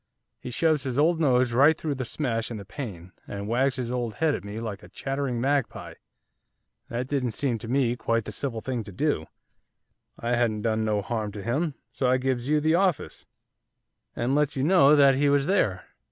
He shoves his old nose right through the smash in the pane, and wags his old head at me like a chattering magpie. That didn't seem to me quite the civil thing to do, I hadn't done no harm to him; so I gives you the office, and lets you know that he was there.